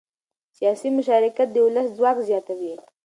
سیاسي مشارکت د ولس ځواک زیاتوي